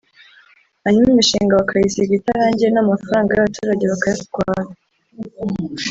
hanyuma imishinga bakayisiga itarangiye n’amafaranga y’abaturage bakayatwara